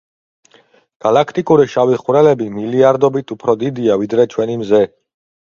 გალაქტიკური შავი ხვრელები მილიარდობით უფრო დიდია, ვიდრე ჩვენი მზე.